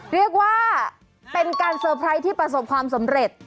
เรียกว่าเป็นการเซอร์ไพรส์ที่ประสบความสำเร็จ